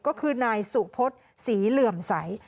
ก็คือนายสุภทศีลื่อมใส